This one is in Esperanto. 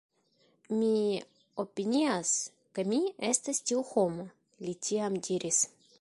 Mi opinias ke mi estas tiu homo, li tiam diris.